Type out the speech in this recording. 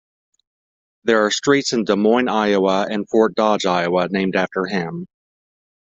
There are streets in Des Moines, Iowa and Fort Dodge, Iowa named after him.